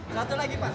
satu lagi pak